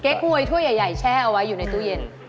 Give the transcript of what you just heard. หวยถ้วยใหญ่แช่เอาไว้อยู่ในตู้เย็น